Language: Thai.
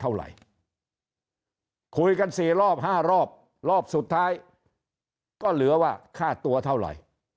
เท่าไหร่คุยกัน๔รอบ๕รอบรอบสุดท้ายก็เหลือว่าค่าตัวเท่าไหร่